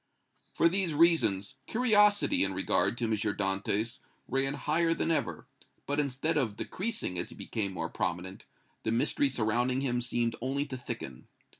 For these reasons curiosity in regard to M. Dantès ran higher than ever, but instead of decreasing as he became more prominent, the mystery surrounding him seemed only to thicken.